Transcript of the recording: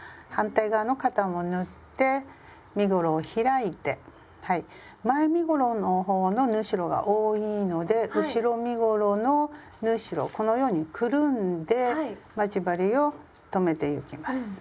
反対側の肩も縫って身ごろを開いて前身ごろの方の縫い代が多いので後ろ身ごろの縫い代をこのようにくるんで待ち針を留めてゆきます。